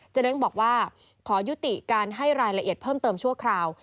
เน้งบอกว่าขอยุติการให้รายละเอียดเพิ่มเติมชั่วคราว